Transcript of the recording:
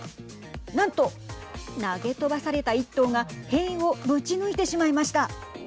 なんと、投げ飛ばされた１頭が塀をぶち抜いてしまいました。